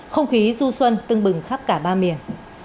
không khí du xuân tưng bừng khắp cả ba miền